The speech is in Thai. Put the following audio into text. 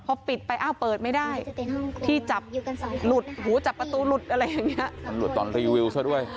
พอปิดไปอ้าวเปิดไม่ได้ที่จับหลุดหูจับประตูหลุดอะไรอย่างนี้ตำรวจตอนรีวิวซะด้วย